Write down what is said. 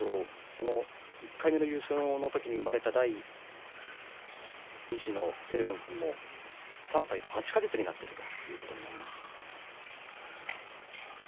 その１回目の優勝の時に生まれた第２子のテルムン君は３歳と８か月になっているということになります。